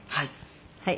はい。